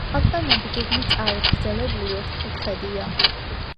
აკლდამები გეგმით წაგრძელებული ოთხკუთხედია.